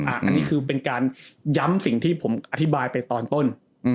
อันนี้คือเป็นการย้ำสิ่งที่ผมอธิบายไปตอนต้น